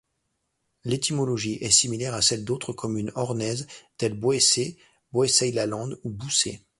L'étymologie est similaire à celle d'autres communes ornaises telles Boëcé, Boissei-la-Lande et Boucé.